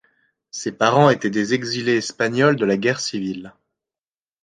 Ses parents étaient des exilés espagnols de la guerre civile.